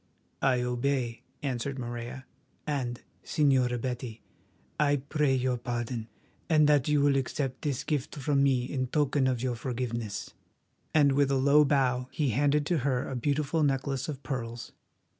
"I obey," answered Morella; "and, Señora Betty, I pray your pardon, and that you will accept this gift from me in token of your forgiveness." And with a low bow he handed to her a beautiful necklace of pearls.